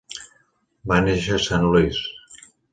Va néixer a Saint Louis.